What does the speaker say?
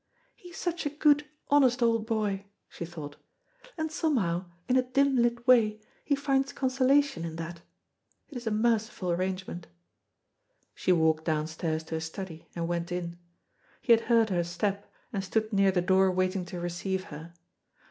"He is such a good, honest old boy," she thought, "and somehow, in a dim lit way, he finds consolation in that. It is a merciful arrangement." She walked downstairs to his study, and went in. He had heard her step, and stood near the door waiting to receive her.